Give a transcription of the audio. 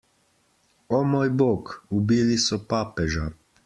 O moj bog, ubili so papeža!